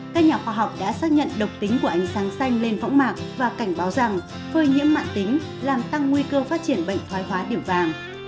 các nhà khoa học đã xác nhận độc tính của ánh sáng xanh lên phẫu mạng và cảnh báo rằng phơi nhiễm mạng tính làm tăng nguy cơ phát triển bệnh hóa điểm vàng